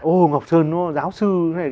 ồ ngọc sơn nó giáo sư